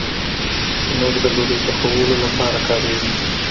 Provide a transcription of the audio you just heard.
تنور د ډوډۍ پخولو لپاره کارېږي